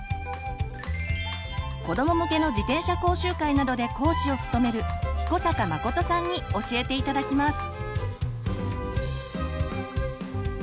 子ども向けの自転車講習会などで講師を務める彦坂誠さんに教えて頂きます。